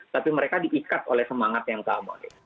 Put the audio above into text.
tapi mereka diikat oleh semangat yang sama